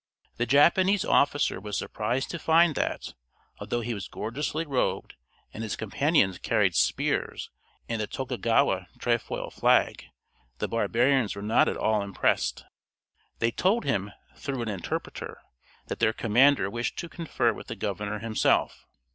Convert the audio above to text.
The Japanese officer was surprised to find that, although he was gorgeously robed, and his companions carried spears and the Tokugawa trefoil flag, the barbarians were not at all impressed. They told him, through an interpreter, that their commander wished to confer with the governor himself.